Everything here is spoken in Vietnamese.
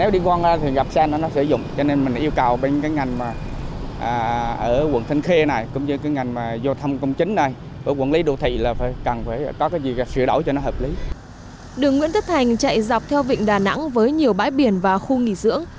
đường nguyễn thất thành chạy dọc theo vịnh đà nẵng với nhiều bãi biển và khu nghỉ dưỡng